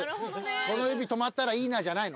この指止まったらいいなじゃないの。